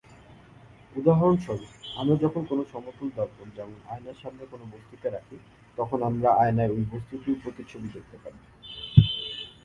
উদাহরণস্বরূপ- আমরা যখন কোন সমতল দর্পণ যেমন আয়নার সামনে কোন বস্তুকে রাখি তখন আমরা আয়নায় ঐ বস্তুটির প্রতিচ্ছবি দেখতে পাই।